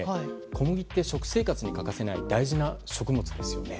小麦って食生活に欠かせない大事な食物ですよね。